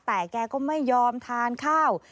แต่แกก็ไม่ยอมทานข้าว